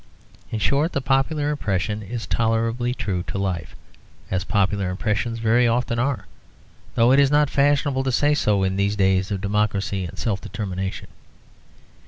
In short, the popular impression is tolerably true to life, as popular impressions very often are; though it is not fashionable to say so in these days of democracy and self determination.